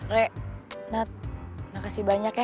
rai nad makasih banyak ya